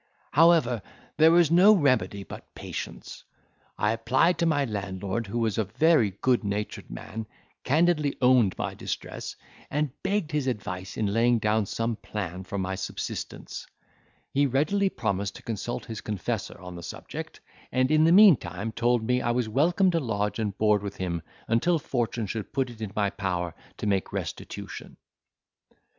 However, there was no remedy but patience: I applied to my landlord, who was a very good natured man, candidly owned my distress, and begged his advice in laying down some plan for my subsistence; he readily promised to consult his confessor on this subject, and, in the meantime, told me, I was welcome to lodge and board with him until fortune should put it in my power to make restitution.